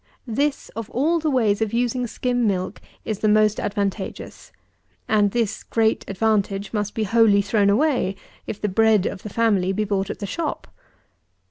This, of all the ways of using skim milk, is the most advantageous: and this great advantage must be wholly thrown away, if the bread of the family be bought at the shop.